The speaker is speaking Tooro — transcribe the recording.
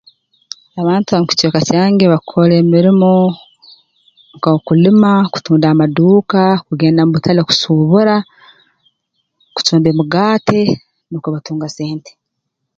Abantu ab'omu kicweka kyange bakora emirimo nk'okulima kutunda amaduuka kugenda mu butale kusuubura kutunda emigaate nukwo batunga sente